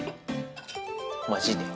マジで？